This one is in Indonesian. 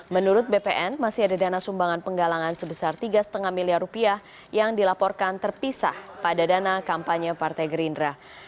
menurut bpn masih ada dana sumbangan penggalangan sebesar tiga lima miliar rupiah yang dilaporkan terpisah pada dana kampanye partai gerindra